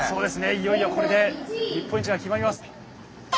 いよいよこれで日本一が決まります。